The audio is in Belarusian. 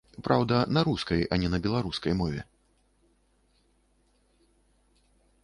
Праўда, на рускай, а не беларускай мове.